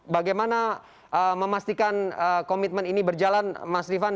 bagaimana memastikan komitmen ini berjalan mas rifan